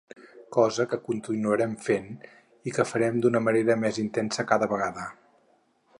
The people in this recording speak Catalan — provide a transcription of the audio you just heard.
Cosa que continuarem fent i que farem d’una manera més intensa cada vegada.